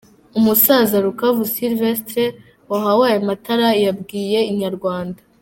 Umusaza Rukavu Sylivestre wahawe aya matara yabwiye Inyarwanda.